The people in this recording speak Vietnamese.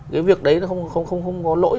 cái việc đấy nó không có lỗi